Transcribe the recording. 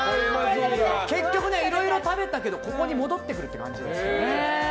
結局、いろいろ食べたけどここに戻ってくるんですね。